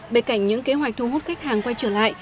bên cạnh những kế hoạch thu hút khách hàng quay trở lại